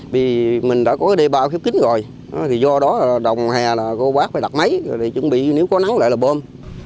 vì mình đã có cái đê bào khiếp kín rồi do đó đồng hè là cô bác phải đặt máy để chuẩn bị nếu có nắng lại là bơm